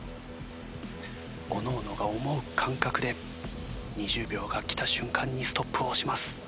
おのおのが思う感覚で２０秒が来た瞬間にストップを押します。